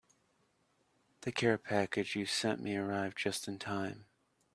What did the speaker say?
The care package you sent me arrived just in time.